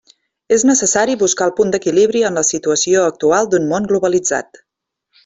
És necessari buscar el punt d'equilibri en la situació actual d'un món globalitzat.